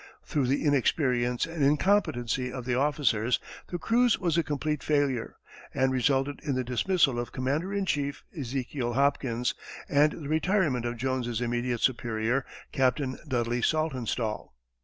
Through the inexperience and incompetency of the officers, the cruise was a complete failure, and resulted in the dismissal of "Commander in Chief" Ezekial Hopkins, and the retirement of Jones's immediate superior, Captain Dudley Saltonstall.